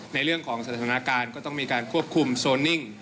ในเรื่องของสถานการณ์ก็ต้องมีการควบคุมโซนิ่ง